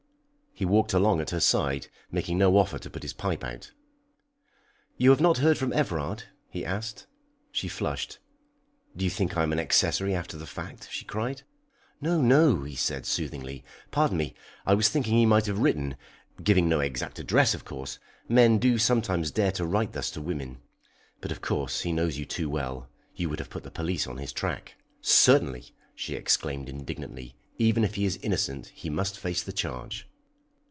He walked along at her side, making no offer to put his pipe out. "You have not heard from Everard?" he asked. She flushed. "Do you think I'm an accessory after the fact?" she cried. "No, no," he said soothingly. "Pardon me, I was thinking he might have written giving no exact address, of course. Men do sometimes dare to write thus to women. But, of course, he knows you too well you would have put the police on his track." "Certainly," she exclaimed indignantly. "Even if he is innocent he must face the charge."